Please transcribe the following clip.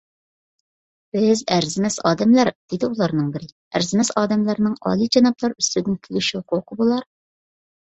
_ بىز ئەرزىمەس ئادەملەر، _ دېدى ئۇلارنىڭ بىرى، _ ئەرزىمەس ئادەملەرنىڭ ئالىيجانابلار ئۈستىدىن كۈلۈش ھوقۇقى بولار!؟